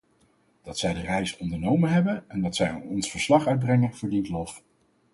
Dat zij die reis ondernomen hebben en dat zij ons verslag uitbrengen, verdient lof.